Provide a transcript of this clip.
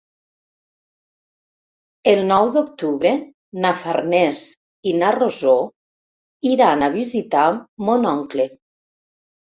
El nou d'octubre na Farners i na Rosó iran a visitar mon oncle.